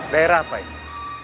daerah apa ini